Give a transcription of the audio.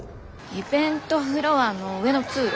イベントフロアの上の通路。